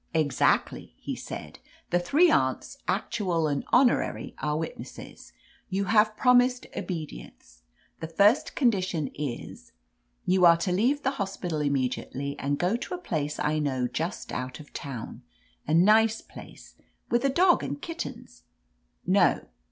"Exactly," he said. "The three aunts, ac tual and honorary, are witnesses. You have promised obedience. The first oMidition is — you are to leave the hospital immediately and go to a place I know just out of town, a nice place, with a dog and kittens — no.